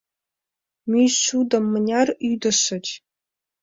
Мӱйшудым мыняр ӱдышыч?